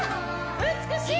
美しい！